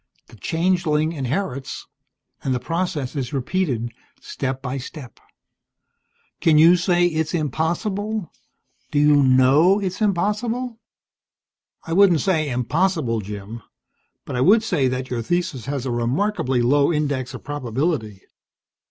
The changeling inherits, and the process is repeated, step by step. Can you say it's impossible? Do you know it's impossible?" "I wouldn't say impossible, Jim. But I would say that your thesis has a remarkably low index of probability.